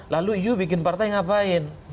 lalu yuk bikin partai ngapain